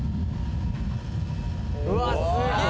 うわっすげぇ。